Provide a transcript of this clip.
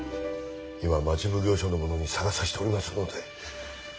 今町奉行所の者に捜させておりますので。